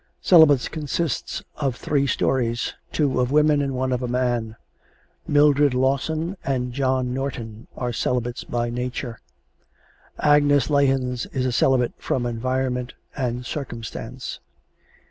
"Celibates" consists of three stories two of women and one of a man. Mildred Lawson and John Norton are celibates by nature. Agnes Lahens is a celibate from environment and circumstance.